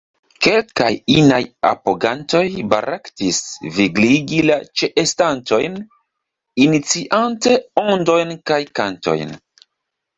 Kelkaj inaj apogantoj baraktis vigligi la ĉeestantojn, iniciatante ondojn kaj kantojn.